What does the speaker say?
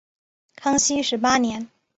康熙十八年。